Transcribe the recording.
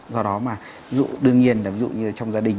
do đó mà dụ đương nhiên là dụ như trong gia đình